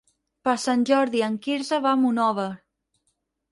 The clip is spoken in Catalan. Per Sant Jordi en Quirze va a Monòver.